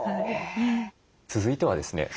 続いてはですね